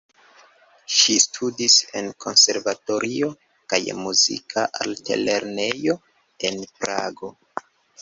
Ŝi studis en konservatorio kaj Muzika altlernejo en Prago.